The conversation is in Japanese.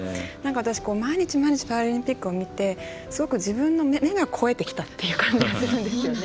毎日、毎日パラリンピックを見てすごく自分の目が肥えてきた感じがするんですよね。